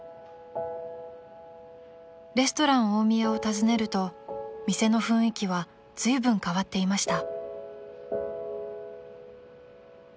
［レストラン大宮を訪ねると店の雰囲気はずいぶん変わっていました］